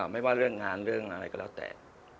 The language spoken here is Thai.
ไม่ว่าเรื่องงานเรื่องอะไรก็แล้วแต่